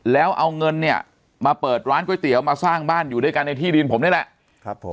แล้วเอาเงินเนี่ยมาเปิดร้านก๋วยเตี๋ยวมาสร้างบ้านอยู่ด้วยกันในที่ดินผมนี่แหละครับผม